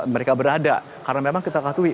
mereka berada karena memang kita katuhi